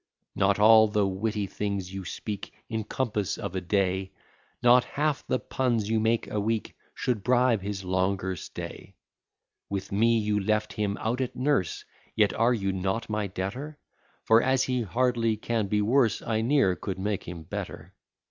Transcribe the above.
Not all the witty things you speak In compass of a day, Not half the puns you make a week, Should bribe his longer stay. With me you left him out at nurse, Yet are you not my debtor; For, as he hardly can be worse, I ne'er could make him better.